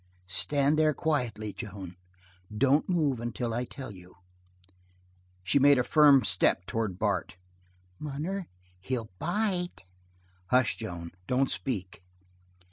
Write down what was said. "Stand there quietly, Joan. Don't move until I tell you." She made a firm step towards Bart. "Munner, he'll bite!" "Hush, Joan. Don't speak!"